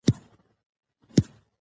چې موږ د بهرنيو واقعيتونو پرځاى